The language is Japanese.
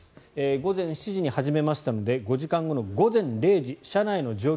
午前７時に始めましたので５時間後の午前０時車内の状況